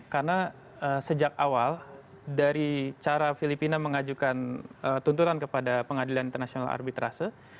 karena sejak awal dari cara filipina mengajukan tuntutan kepada pengadilan internasional arbitrase